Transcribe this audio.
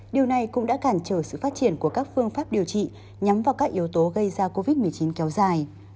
điều này cũng đã cản trở sự phát triển của các phương pháp điều trị nhắm vào các yếu tố gây ra covid một mươi chín kéo dài